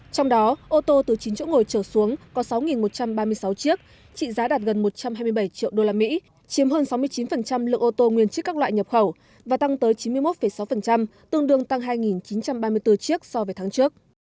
trong đó ô tô từ chín chỗ ngồi trở xuống có sáu một trăm ba mươi sáu chiếc trị giá đạt gần một trăm hai mươi bảy triệu usd chiếm hơn sáu mươi chín lượng ô tô nguyên chức các loại nhập khẩu và tăng tới chín mươi một sáu tương đương tăng hai chín trăm ba mươi bốn chiếc so với tháng trước